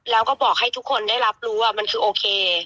แล้วก็บอกให้ทุกคนได้รับรู้ว่ามันคือโอเค